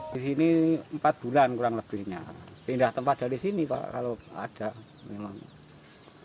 di sini empat bulan kurang lebihnya pindah tempat dari sini pak kalau ada memang